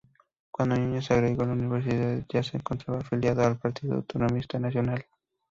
Cuando Núñez egresó de la universidad ya se encontraba afiliado al Partido Autonomista Nacional.